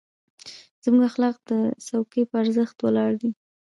زموږ اخلاق د څوکۍ په ارزښت ولاړ دي.